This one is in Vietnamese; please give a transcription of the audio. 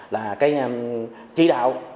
là cái tri đạo